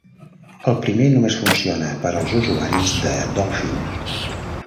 El primer només funciona per als usuaris de Dolphin.